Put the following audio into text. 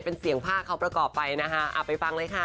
เป็นเสียงภาคเขาประกอบไปนะคะไปฟังเลยค่ะ